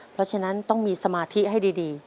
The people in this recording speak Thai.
เพราะฉะนั้นต้องมีสมาธิให้ดี